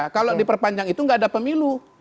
kalau diperpanjang itu nggak ada pemilu